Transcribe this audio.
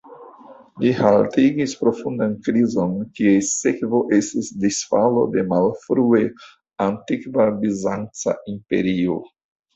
Li haltigis profundan krizon, kies sekvo estis disfalo de malfrue antikva bizanca imperio.